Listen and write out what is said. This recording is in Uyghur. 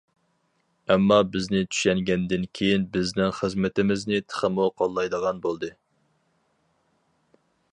ئامما بىزنى چۈشەنگەندىن كېيىن بىزنىڭ خىزمىتىمىزنى تېخىمۇ قوللايدىغان بولدى.